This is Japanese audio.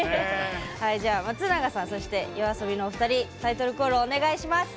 松永さんそしてＹＯＡＳＯＢＩのお二人タイトルコールをお願いします。